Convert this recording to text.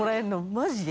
マジで？